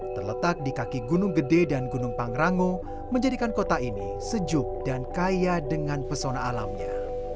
terletak di kaki gunung gede dan gunung pangrango menjadikan kota ini sejuk dan kaya dengan pesona alamnya